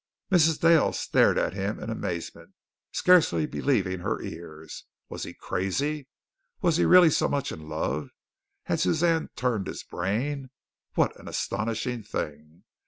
Mrs. Dale stared at him in amazement, scarcely believing her ears. Was he crazy? Was he really so much in love? Had Suzanne turned his brain? What an astonishing thing.